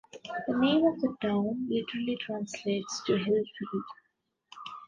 The name of the town literally translates to "Hillfield".